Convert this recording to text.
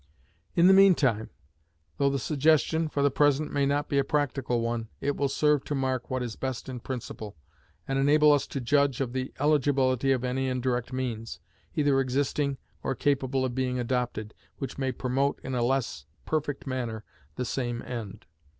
In the mean time, though the suggestion, for the present, may not be a practical one, it will serve to mark what is best in principle, and enable us to judge of the eligibility of any indirect means, either existing or capable of being adopted, which may promote in a less perfect manner the same end.